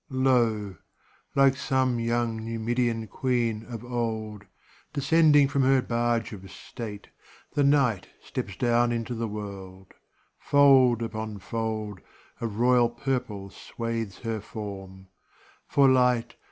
Lo, like some young Numidian queen of old, Descending from her barge of state, the Night Steps down into the world; fold upon fold Of royal purple swathes her form ; for light.